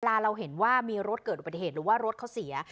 เราเห็นว่ามีรถเกิดอุบัติเหตุหรือว่ารถเขาเสีย